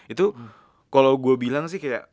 itu kalau gue bilang sih kayak